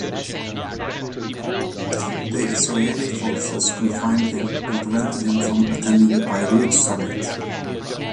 The Israeli forces confined him and prevented him from attending the Beirut Summit.